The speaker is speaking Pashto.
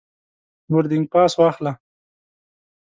بوردینګ پاس واخله.